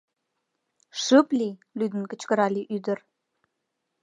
— Шып лий! — лӱдын кычкырале ӱдыр.